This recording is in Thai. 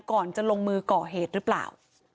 ก่อนจะลงมือก่อเหตุหรือเปล่า